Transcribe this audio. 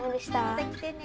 また来てね。